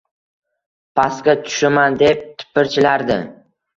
Pastga tushaman deb tipirchilardi